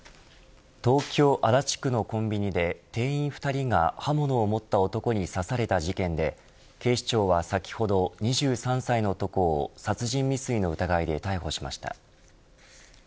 東京・足立区のコンビニで店員２人が刃物を持った男に刺された事件で警視庁は先ほど、２３歳の男を殺人未遂の疑いで逮捕しました。